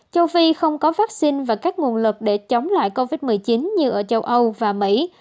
châu phi không có vaccine và các nguồn lực để chống lại covid một mươi chín như ở châu âu và mỹ